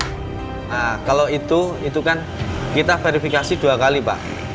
nah kalau itu itu kan kita verifikasi dua kali pak